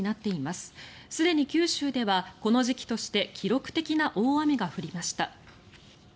すでに九州では、この時期として記録的な大雨が降りました。